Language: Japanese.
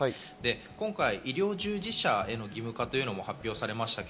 今回、医療従事者への義務化というのも発表されました。